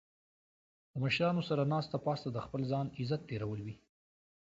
د مشرانو سره ناسته پاسته د خپل ځان عزت ډیرول وي